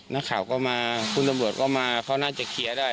นักข่าวก็มาคุณตำรวจก็มาเขาน่าจะเคลียร์ได้